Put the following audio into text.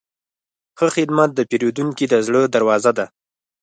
ښه خدمت د پیرودونکي د زړه دروازه ده.